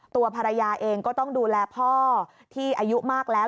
ตัวภรรยาเองก็ต้องดูแลพ่อที่อายุมากแล้ว